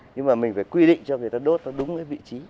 nhưng mà mình phải quy định cho người ta đốt nó đúng cái vị trí